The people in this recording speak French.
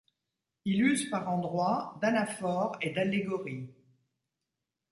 Il use par endroits d'anaphores et d'allégories.